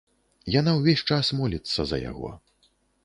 Яна ўвесь час моліцца за яго.